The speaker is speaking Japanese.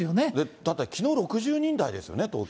だってきのう６０人台ですよね、東京。